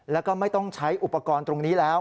แล้วก็ไม่ต้องใช้อุปกรณ์ตรงนี้แล้ว